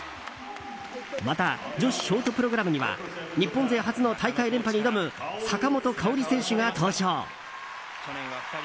また女子ショートプログラムには日本勢初の大会連覇に挑む坂本花織選手が登場。